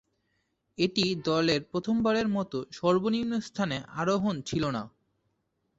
এটিই দলের প্রথমবারের মতো সর্বনিম্ন স্থানে আরোহণ ছিল না।